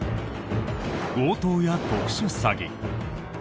強盗や特殊詐欺。